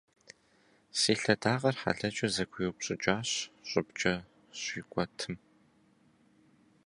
Си лъэдакъэр хьэлэчу зэгуиупщӏыкӏащ щӏыбкӏэ сщикӏуэтым.